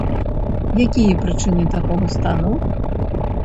Якія прычыны такога стану?